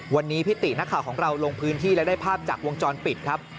วันนี้พี่ตินักข่าวของเราลงพื้นที่และได้ภาพจากวงจรปิดครับ